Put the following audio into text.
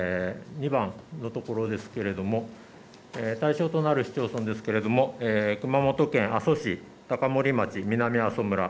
２番のところですけれども対象となる市町村ですが熊本県阿蘇市高森町、南阿蘇村